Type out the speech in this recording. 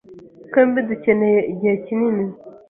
Twembi dukeneye igihe kinini.